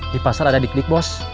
di pasar ada dik dik bos